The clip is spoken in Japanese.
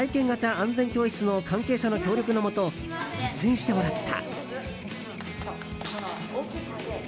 安全教室の関係者の協力のもと実践してもらった。